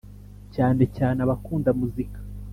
Cyane cyane abakunda muzika,